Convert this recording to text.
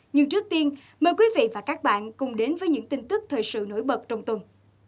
nhưng trước tiên mời quý vị và các bạn cùng đến với những tin tức thời sự nổi bật trong tuần